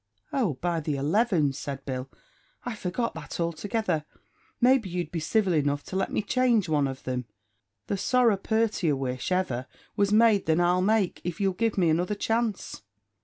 "Oh! by the elevens," said Bill, "I forgot that altogether! Maybe you'd be civil enough to let me change one of them? The sorra purtier wish ever was made than I'll make, if you'll give me another chance."